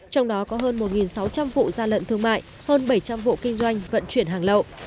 trong đó có hơn một sáu trăm linh vụ gian lận thương mại hơn bảy trăm linh vụ kinh doanh vận chuyển hàng lậu